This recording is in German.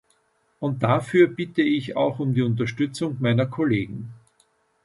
Und dafür bitte ich auch um die Unterstützung meiner Kollegen.